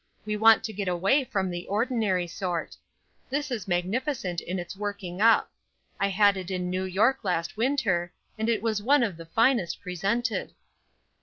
We want to get away from the ordinary sort. This is magnificent in its working up. I had it in New York last winter, and it was one of the finest presented."